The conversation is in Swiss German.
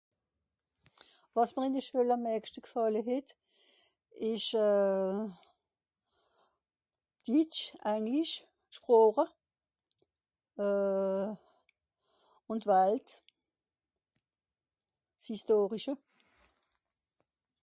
Ce qui m'a le plus plu a l' école c'est l'allemand, l'anglais ,les langues et le monde, l'histoire